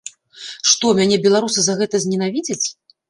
Што, мяне беларусы за гэта зненавідзяць?